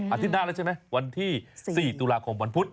อาทิตย์หน้าแล้วใช่ไหมวันที่๔ตุลาคมวันพุธ